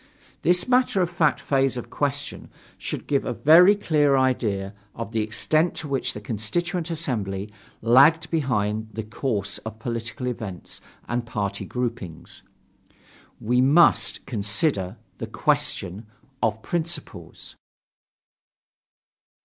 This matter of fact phase of the question should give a very clear idea of the extent to which the Constituent Assembly lagged behind the course of political events and party groupings. We must consider the question of principles.